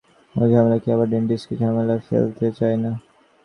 ওগুলো খেয়ে আমার ডেন্টিস্টকে ঝামেলায় ফেলতে চাই না।